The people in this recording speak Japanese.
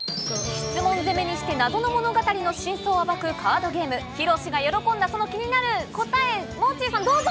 質問攻めにして謎の物語の真相を暴くカードゲーム、ヒロシが喜んだその気になる答え、モッチーさん、どうぞ。